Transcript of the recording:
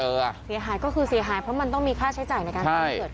เสียหายก็คือเสียหายเพราะมันต้องมีค่าใช้จ่ายในการสร้างเกิด